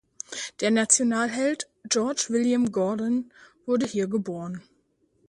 Der Nationalheld George William Gordon wurde hier geboren.